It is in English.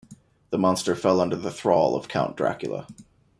The monster fell under the thrall of Count Dracula.